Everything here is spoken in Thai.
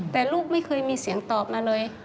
แต่ลูกไม่เคยมีเสียงตอบมาเลย